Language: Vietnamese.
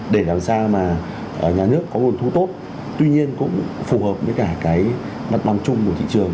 để làm sao mà nhà nước có nguồn thu tốt tuy nhiên cũng phù hợp với cả cái mặt bằng chung của thị trường